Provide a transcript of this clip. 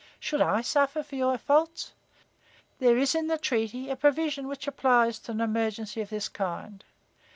Should I suffer for your faults? There is in the treaty a provision which applies to an emergency of this kind.